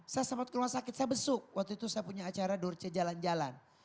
saya sempat ke rumah sakit saya besuk waktu itu saya punya acara dorce jalan jalan